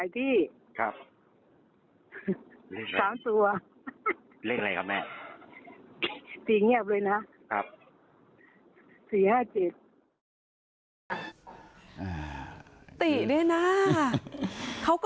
นี่ตีเงียบแล้วเหรอคะ